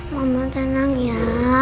mama tenang ya